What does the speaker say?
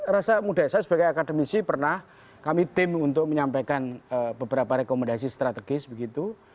rasa muda saya sebagai akademisi pernah kami tim untuk menyampaikan beberapa rekomendasi strategis begitu